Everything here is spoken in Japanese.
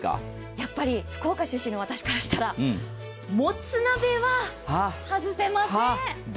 やっぱり福岡出身の私からしたらもつ鍋は外せません。